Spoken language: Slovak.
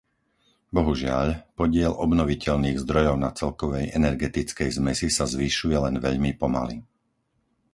Bohužiaľ, podiel obnoviteľných zdrojov na celkovej energetickej zmesi sa zvyšuje len veľmi pomaly.